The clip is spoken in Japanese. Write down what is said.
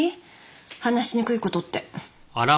話しにくい事って。